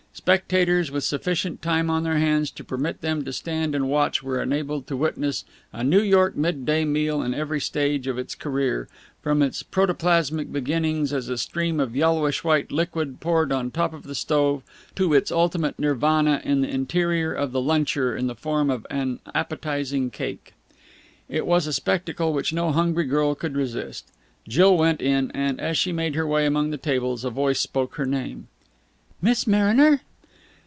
Spectators with sufficient time on their hands to permit them to stand and watch were enabled to witness a New York midday meal in every stage of its career, from its protoplasmic beginnings as a stream of yellowish white liquid poured on top of the stove to its ultimate Nirvana in the interior of the luncher in the form of an appetising cake. It was a spectacle which no hungry girl could resist. Jill went in, and, as she made her way among the tables, a voice spoke her name. "Miss Mariner!"